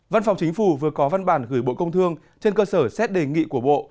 văn phòng chính phủ vừa có văn bản gửi bộ công thương trên cơ sở xét đề nghị của bộ